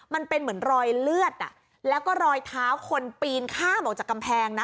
มันเป็นเหมือนรอยเลือดแล้วก็รอยเท้าคนปีนข้ามออกจากกำแพงนะ